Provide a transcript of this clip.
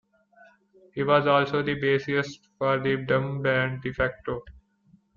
He was also the bassist for the dub band De Facto.